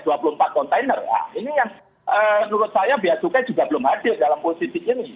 ini yang menurut saya biaya cukai juga belum hadir dalam posisi ini